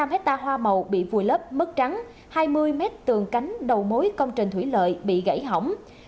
năm hectare hoa màu bị vùi lấp mất trắng hai mươi mét tường cánh đầu mối công trình thủy lợi bị gãy hỏng